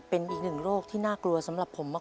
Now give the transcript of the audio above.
เป็นอีกหนึ่งโรคที่น่ากลัวสำหรับผมมาก